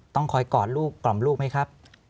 ต้องคอยกอดลูกกล่อมลูกไหมครับ